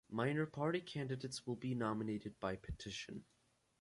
Minor party candidates will be nominated by petition.